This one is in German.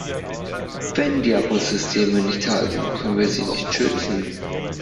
Wenn die Abrisssysteme nicht halten, können wir sie nicht schützen.